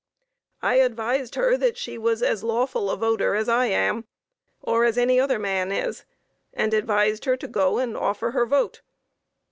I advised her that she was as lawful a voter as I am, or as any other man is, and advised her to go and offer her vote.